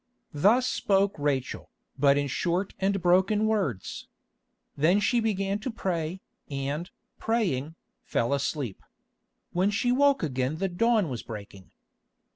Thus spoke Rachel, but in short and broken words. Then she began to pray, and, praying, fell asleep. When she woke again the dawn was breaking.